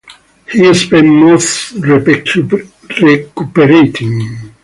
He spent months recuperating.